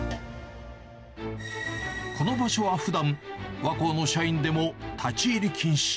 この場所はふだん、和光の社員でも立ち入り禁止。